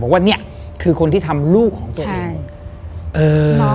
ว่าเนี่ยคือคนที่ทำลูกของตัวเองเออ